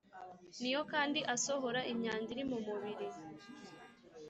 niyo kandi asohora imyanda iri mu mubiri.